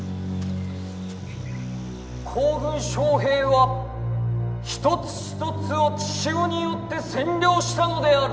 皇軍将兵は一つ一つを血潮によって占領したのである。